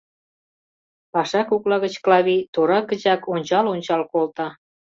— Паша кокла гыч Клавий тора гычак ончал-ончал колта.